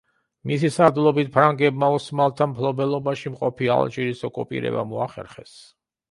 მისი სარდლობით ფრანგებმა ოსმალთა მფლობელობაში მყოფი ალჟირის ოკუპირება მოახერხეს.